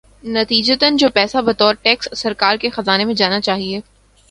نتیجتا جو پیسہ بطور ٹیکس سرکار کے خزانے میں جانا چاہیے۔